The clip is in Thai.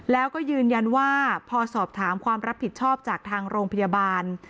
แล้วก็ยืนยันว่าพอสอบถามความรับผิดชอบจากทางโรงพยาบาล